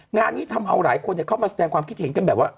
งานนี้ทำเอาหลายคนเข้ามาแสดงความคิดเห็นกันแบบว่า